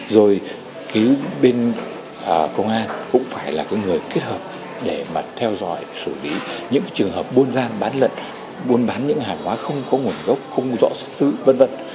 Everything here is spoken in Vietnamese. rồi cái bên công an cũng phải là cái người kết hợp để mà theo dõi xử lý những trường hợp buôn giam bán lận buôn bán những hải hóa không có nguồn gốc không rõ sức sư v v